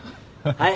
はい。